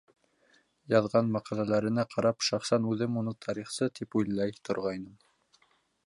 Яҙған мәҡәләләренә ҡарап, шәхсән үҙем уны тарихсы тип уйлай торғайным.